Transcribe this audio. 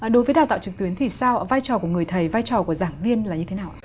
đối với đào tạo trực tuyến thì sao vai trò của người thầy vai trò của giảng viên là như thế nào